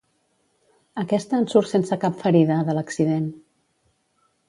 Aquesta en surt sense cap ferida, de l'accident.